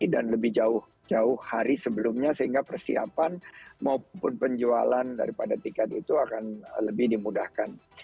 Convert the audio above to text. dan lebih jauh jauh hari sebelumnya sehingga persiapan maupun penjualan daripada tiket itu akan lebih dimudahkan